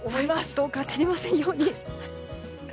どうか散りませんように。